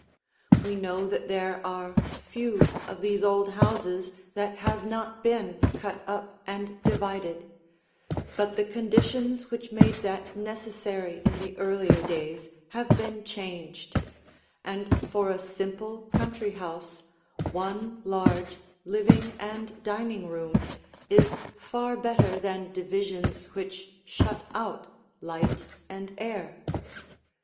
We know that there are few of these old houses that have not been cut up and divided; but the conditions which made that necessary in the earlier days have been changed, and for a simple country house one large living and dining room is far better than divisions which shut out light and air.